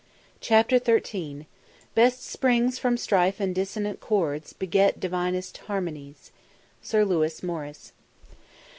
CHAPTER XIII "Best springs from strife and dissonant chords beget Divinest harmonies." SIR LEWIS MORRIS.